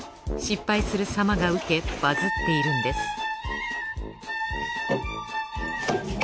失敗するさまがウケバズっているんです